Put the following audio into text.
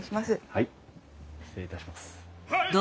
はい失礼いたします。